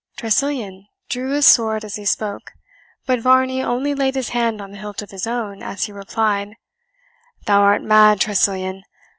Tressilian drew his sword as he spoke, but Varney only laid his hand on the hilt of his own, as he replied, "Thou art mad, Tressilian.